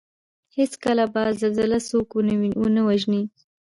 هېڅکله به زلزله څوک ونه وژني